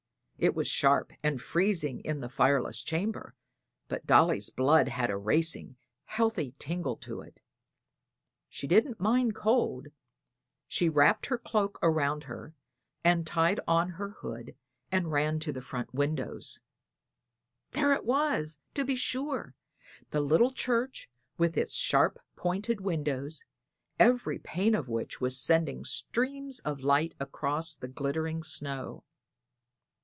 It was sharp and freezing in the fireless chamber, but Dolly's blood had a racing, healthy tingle to it; she didn't mind cold. She wrapped her cloak around her and tied on her hood and ran to the front windows. There it was, to be sure the little church with its sharp pointed windows, every pane of which was sending streams of light across the glittering snow.